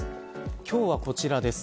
今日は、こちらです。